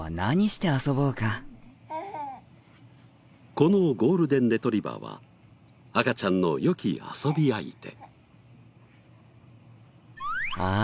このゴールデンレトリバーは赤ちゃんの良き遊び相手。